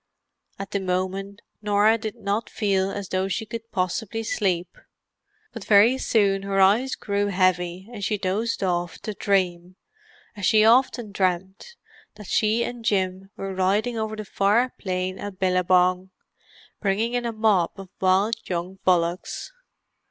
At the moment Norah did not feel as though she could possibly sleep; but very soon her eyes grew heavy and she dozed off to dream, as she often dreamed, that she and Jim were riding over the Far Plain at Billabong, bringing in a mob of wild young bullocks.